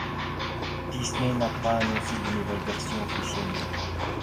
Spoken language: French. Disney n'a pas annoncé de nouvelle version officiellement.